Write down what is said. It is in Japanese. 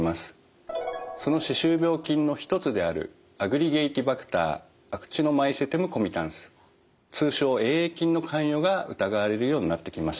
その歯周病菌の一つであるアグリゲイティバクター・アクチノマイセテムコミタンス通称Ａ．ａ．菌の関与が疑われるようになってきました。